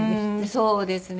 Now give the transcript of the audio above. そうですね。